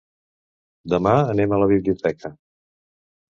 Demà anem a la biblioteca.